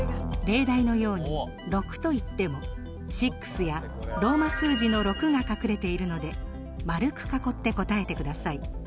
例題のように「６」といっても「シックス」やローマ数字の６が隠れているので丸く囲って答えてください。